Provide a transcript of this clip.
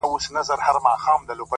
هره ورځ څو سطله اوبه اچوې’